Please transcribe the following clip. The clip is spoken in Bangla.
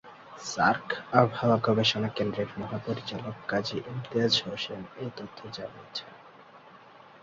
সার্ক আবহাওয়া গবেষণা কেন্দ্রের মহাপরিচালক কাজী ইমতিয়াজ হোসেন এ তথ্য জানিয়েছেন।